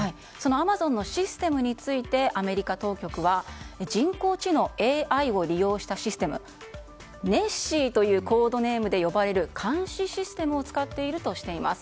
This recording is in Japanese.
アマゾンのシステムについてアメリカ当局は人工知能・ＡＩを利用したシステムネッシーというコードネームで呼ばれる監視システムを使っているとしています。